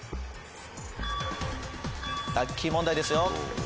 ラッキー問題ですよ。